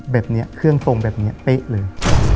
แบบนี้เครื่องทรงแบบนี้เป๊ะเลย